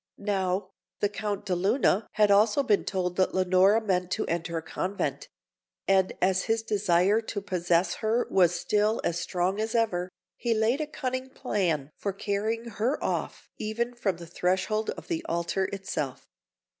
Now, the Count de Luna had also been told that Leonora meant to enter a convent; and as his desire to possess her was still as strong as ever, he laid a cunning plan for carrying her off, even from the threshold of the altar itself.